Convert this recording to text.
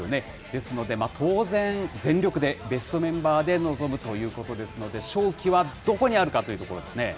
ですので当然、全力でベストメンバーで臨むということですので、勝機はどこにあるかというところですね。